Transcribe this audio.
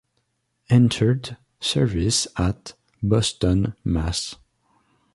Entered service at: Boston, Mass.